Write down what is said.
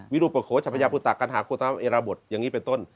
วิรุปโปรโฆชะพยาพุทธการหาโฆษณาเอระบทอย่างนี้เป็นต้น